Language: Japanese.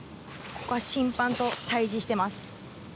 ここは審判と対峙しています。